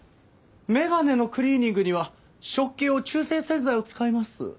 眼鏡のクリーニングには食器用中性洗剤を使います。